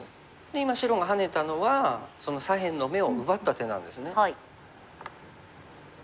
今白がハネたのは左辺の眼を奪った手なんですね。